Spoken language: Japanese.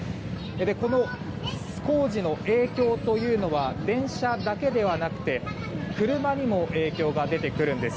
この工事の影響というのは電車だけではなくて車にも影響が出てくるんです。